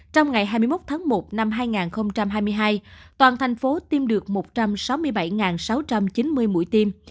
trong ngày hai mươi một tháng một năm hai nghìn hai mươi hai toàn thành phố tiêm được một trăm sáu mươi bảy sáu trăm chín mươi mũi tiêm